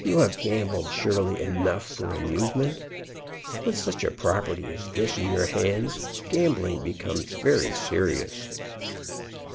"You have gambled surely enough for amusement. With such a property as this in your hands gambling becomes very serious."